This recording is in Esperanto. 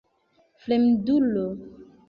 fremdulo